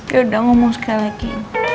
yaudah ngomong sekali lagi